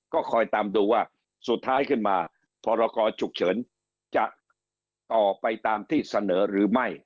ก็คอยตามดูว่าสุดท้ายขึ้นมาพรกรฉุกเฉินจะต่อไปตามที่เสนอหรือไม่